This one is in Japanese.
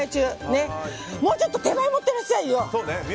もうちょっと手前に持ってらっしゃいよ！